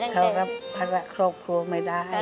เค้ารับพระราชครบครัวไม่ได้